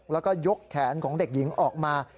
แล้วก็ยกแขนของเด็กหญิงออกมา